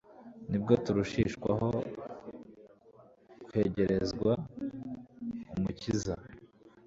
nibwo turushishwaho kwegerezwa Umukiza.